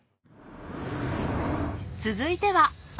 続いては。